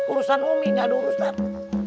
urusan umi gak ada urusan